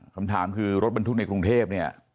คำถามคือรถบรรทุกในกรุงเทพเนี่ย